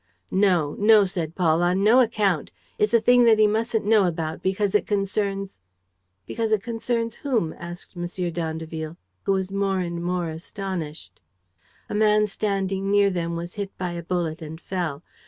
"No, no," said Paul, "on no account! It's a thing that he mustn't know about, because it concerns. ..." "Because it concerns whom?" asked M. d'Andeville, who was more and more astonished. A man standing near them was hit by a bullet and fell.